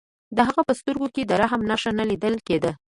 د هغه په سترګو کې د رحم نښه نه لیدل کېده